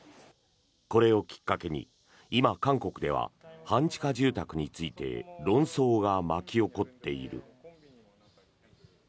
これをきっかけに今、韓国では半地下住宅について論争が巻き起こっている。